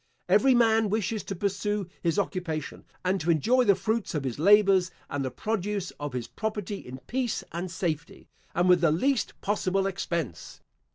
Every man wishes to pursue his occupation, and to enjoy the fruits of his labours and the produce of his property in peace and safety, and with the least possible expense.